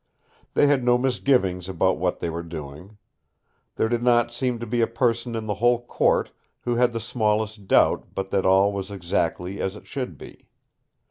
They had no misgivings about what they were doing. There did not seem to be a person in the whole court who had the smallest doubt but that all was exactly as it should be.